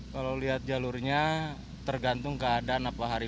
kalau lihat jalurnya tergantung keadaan apa hari